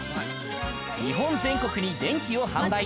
日本全国に電気を販売。